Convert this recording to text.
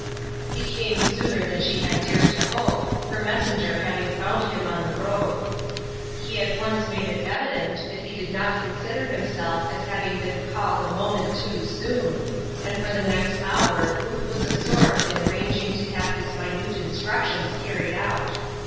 He came sooner than she had dared to hope, her messenger having found him on the road. He at once made it evident that he did not con sider himself as having been called a moment too soon, and for the next hour Ruth was absorbed in arranging to have his minute instructions carried out.